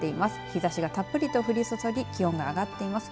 日ざしがたっぷりと降り注ぎ気温が上がっています。